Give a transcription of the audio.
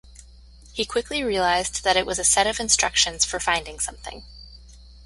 He quickly realized that it was a set of instructions for finding something.